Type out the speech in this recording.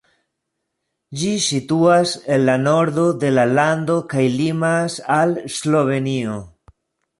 Ĝi situas en la nordo de la lando kaj limas al Slovenio.